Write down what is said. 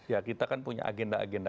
ya kita kan punya agenda agenda